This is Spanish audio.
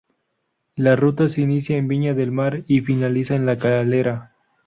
La Ruta se inicia en Viña del Mar y finaliza en La Calera.